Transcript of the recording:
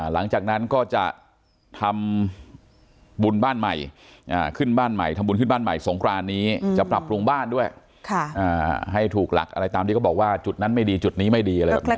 หลังจากนั้นก็จะทำบุญบ้านใหม่ขึ้นบ้านใหม่ทำบุญขึ้นบ้านใหม่สงครานนี้จะปรับปรุงบ้านด้วยให้ถูกหลักอะไรตามที่เขาบอกว่าจุดนั้นไม่ดีจุดนี้ไม่ดีอะไรแบบนี้